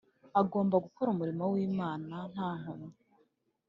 . Agomba gukora umurimo w’Imana nta nkomyi.